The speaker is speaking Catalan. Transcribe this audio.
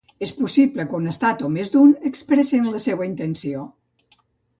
És possible que un estat o més d’un expressen la seua intenció.